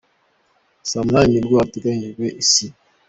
Saa munani ni bwo hateganyijwe isinywa.